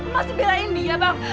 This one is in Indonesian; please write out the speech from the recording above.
masih belain dia bang